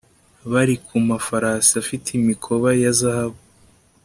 bari ku mafarasi afite imikoba ya zahabu